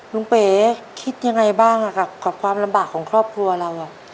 เป๋คิดยังไงบ้างกับความลำบากของครอบครัวเรา